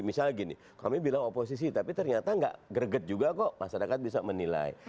misalnya gini kami bilang oposisi tapi ternyata nggak greget juga kok masyarakat bisa menilai